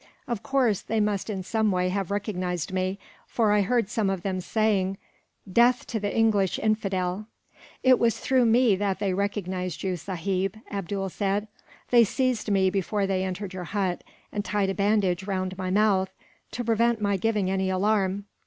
"Of course, they must in some way have recognized me, for I heard some of them saying, 'Death to the English infidel!'" "It was through me that they recognized you, sahib," Abdool said. "They seized me before they entered your hut, and tied a bandage round my mouth, to prevent my giving any alarm.